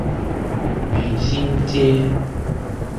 美興街